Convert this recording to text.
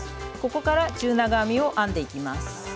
ここから中長編みを編んでいきます。